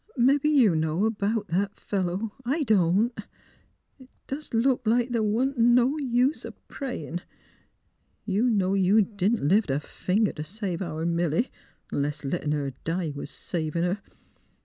Mebbe you know 'bout that fellow, I don't. ... It does look like the' wa'n't no use o' prayin'. You know you didn't lift a finger t' save our Milly — 'nless lettin' her die was savin' her.